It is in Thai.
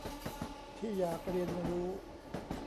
ที่อยากเรียนรู้